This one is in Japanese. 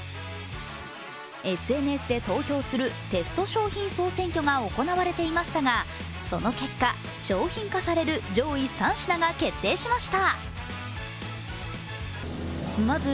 ＳＮＳで投票するテスト商品総選挙が行われていましたが、その結果、商品化される上位３品が決定しました。